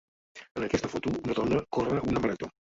En aquesta foto, una dona corre una marató.